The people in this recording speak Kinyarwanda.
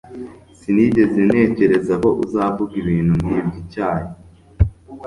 Sinigeze ntekereza ko uzavuga ibintu nkibyo. (icyayi)